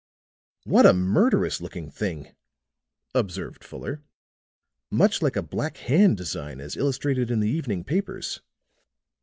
"What a murderous looking thing!" observed Fuller. "Much like a Black Hand design as illustrated in the evening papers."